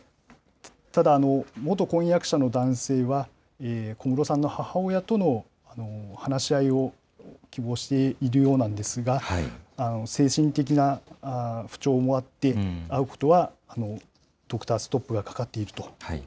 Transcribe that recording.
ただ、元婚約者の男性は、小室さんの母親との、話し合いを希望しているようなんですが、精神的な不調もあって、会うことはドクターストップがかかっていると。